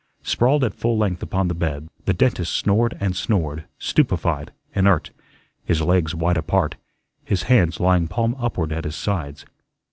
Sprawled at full length upon the bed, the dentist snored and snored, stupefied, inert, his legs wide apart, his hands lying palm upward at his sides.